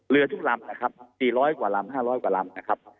เรือทุกลำนะครับ๔๐๐กว่าลำ๕๐๐กว่าลำนะครับ